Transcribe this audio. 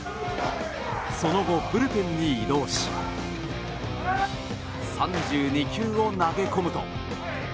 その後、ブルペンに移動し３２球を投げ込むと。